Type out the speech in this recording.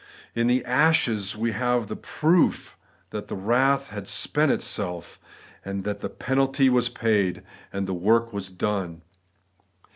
In the ashes we have the proof that the wrath had spent itself, that the penalty was paid, that the work was done.